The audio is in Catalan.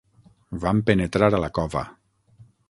Vam penetrar a la cova.